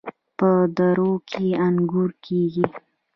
په درو کې انګور کیږي.